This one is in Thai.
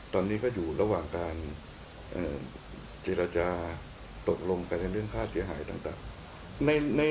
ตอนนี้ก็อยู่ระหว่างการเจรจาตกลงกันในเรื่องค่าเสียหายต่าง